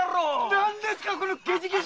何ですかこのゲジゲジ。